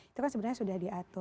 itu kan sebenarnya sudah diatur